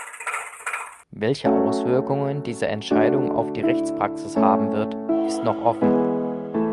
Welche Auswirkungen diese Entscheidung auf die Rechtspraxis haben wird, ist noch offen.